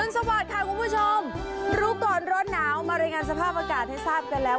สวัสดีค่ะคุณผู้ชมรู้ก่อนร้อนหนาวมารายงานสภาพอากาศให้ทราบกันแล้ว